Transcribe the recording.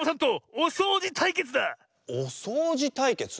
おそうじたいけつ？